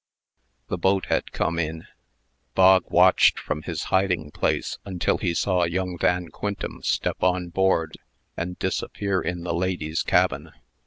The boat had come in. Bog watched from his hiding place until he saw young Van Quintem step on board, and disappear in the ladies' cabin.